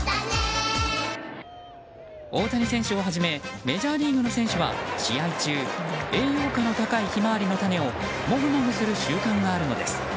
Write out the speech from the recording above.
大谷選手をはじめメジャーリーグの選手は試合中、栄養価の高いヒマワリの種をもぐもぐする習慣があるのです。